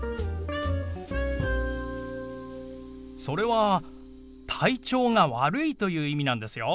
それは「体調が悪い」という意味なんですよ。